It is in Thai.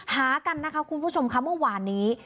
หากันนะคะคุณผู้ชมค่ะเมื่อวานนี้